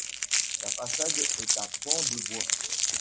La façade est à pan de bois.